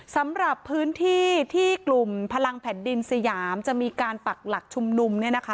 สำหรับพื้นที่ที่กลุ่มพลังแผ่นดินสยามจะมีการปักหลักชุมนุม